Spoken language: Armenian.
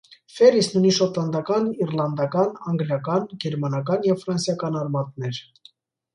Ֆերիսն ունի շոտլանդական, իռլանդական, անգլիական, գերմանական և ֆրանսիական արմատներ։